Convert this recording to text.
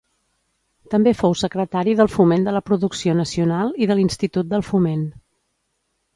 També fou secretari del Foment de la Producció Nacional i de l'Institut del Foment.